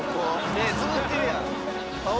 目つむってるやん。